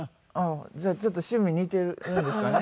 じゃあちょっと趣味似ているんですかね。